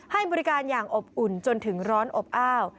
ให้บริการอย่างอบอุ่นจนถึงร้อนอบอ้าว